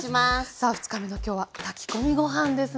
さあ２日目のきょうは炊き込みご飯ですね？